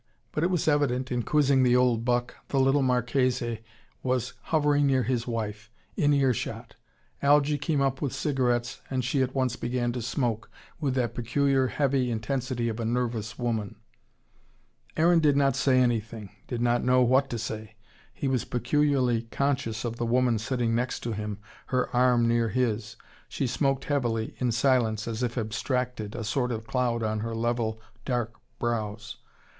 But it was evident, in quizzing the old buck, the little Marchese was hovering near his wife, in ear shot. Algy came up with cigarettes, and she at once began to smoke, with that peculiar heavy intensity of a nervous woman. Aaron did not say anything did not know what to say. He was peculiarly conscious of the woman sitting next to him, her arm near his. She smoked heavily, in silence, as if abstracted, a sort of cloud on her level, dark brows.